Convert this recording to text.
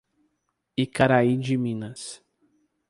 Icaraí de Minas